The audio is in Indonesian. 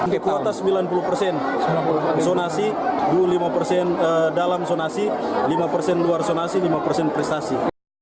kekuatan sembilan puluh persen sonasi lima persen dalam sonasi lima persen luar sonasi lima persen prestasi